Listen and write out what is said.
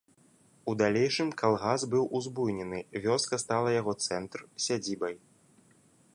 У далейшым калгас быў узбуйнены, вёска стала яго цэнтр, сядзібай.